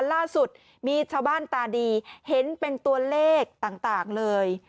ล่าสุดมีชาวบ้านตาดีเห็นเป็นตัวเลขต่างเลย